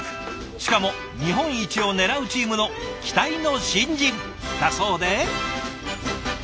しかも日本一を狙うチームの期待の新人だそうで。